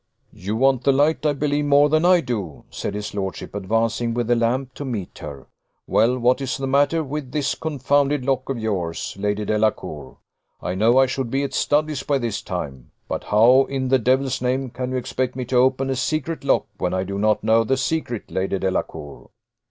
"You want the light, I believe, more than I do," said his lordship, advancing with the lamp to meet her. "Well! what is the matter with this confounded lock of yours, Lady Delacour? I know I should be at Studley's by this time but how in the devil's name can you expect me to open a secret lock when I do not know the secret, Lady Delacour?"